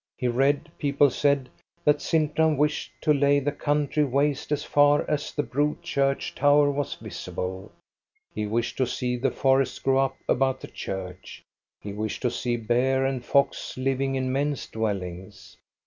He read, people said, that Sintram wished to lay the country waste as far as the Bro church tower was visible. He wished to see the forest grow up about the church. He wished to see bear and fox living in men's dwellings.